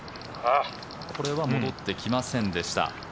これは戻ってきませんでした。